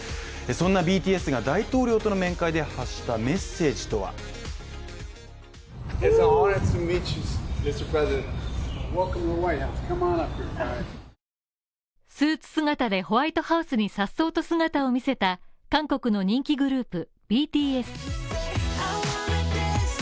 そんなＢＴＳが大統領との面会で発したメッセージとはスーツ姿でホワイトハウスに颯爽と姿を見せた韓国の人気グループＢＴＳ。